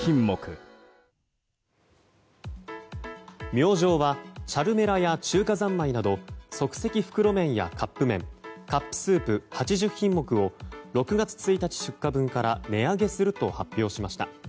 明星はチャルメラや中華三昧など即席袋麺やカップ麺カップスープ８０品目を６月１日出荷分から値上げすると発表しました。